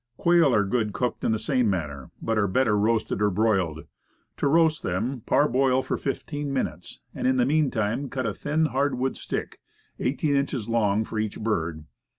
Quail are good cooked in the same manner, but are better roasted or broiled. To roast them, par boil for fifteen minutes, and in the meantime cut a thin hard wood stick, eighteen inches, long for each bird.